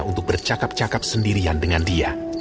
untuk bercakap cakap sendirian dengan dia